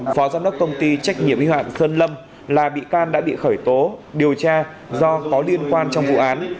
phó giám đốc công ty trách nhiệm y hạn sơn lâm là bị can đã bị khởi tố điều tra do có liên quan trong vụ án